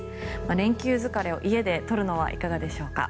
連休疲れを家で取るのはいかがでしょうか。